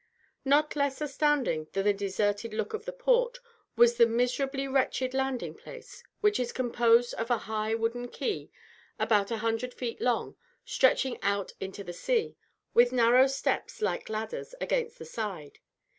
Not less astounding than the deserted look of the port, was the miserably wretched landing place, which is composed of a high wooden quay, about 100 feet long, stretching out into the sea, with narrow steps, like ladders, against the side.